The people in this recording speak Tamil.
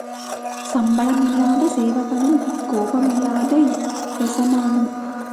சம்பளம் இல்லாத சேவகனும், கோபமில்லாத எசமானும்.